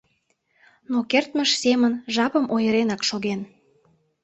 Но кертмыж семын жапым ойыренак шоген.